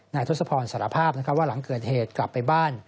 ทศพรสารภาพว่าหลังเกิดเหตุกลับไปบ้าน